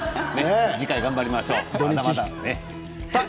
次回、頑張りましょう。